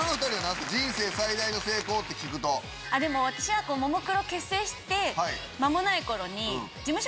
でも私はももクロ結成して間もない頃に。